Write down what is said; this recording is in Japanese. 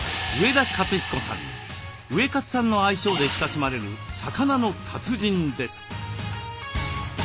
ウエカツさんの愛称で親しまれる魚の達人です。